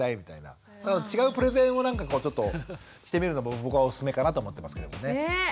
違うプレゼンをなんかちょっとしてみるのも僕はおすすめかなと思ってますけどもね。